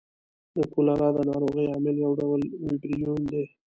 د کولرا د نارغۍ عامل یو ډول ویبریون دی.